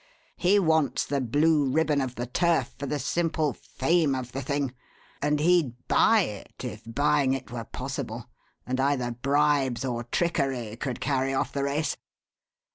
He wants the blue ribbon of the turf for the simple fame of the thing; and he'd buy it if buying it were possible, and either bribes or trickery could carry off the race."